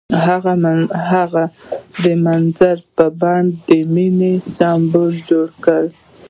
هغه د منظر په بڼه د مینې سمبول جوړ کړ.